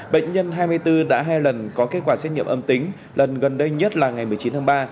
bệnh nhân hai mươi bốn đã hai lần có kết quả xét nghiệm âm tính lần gần đây nhất là ngày một mươi chín tháng ba